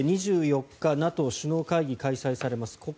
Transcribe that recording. ２４日、ＮＡＴＯ首脳会議が開催されます。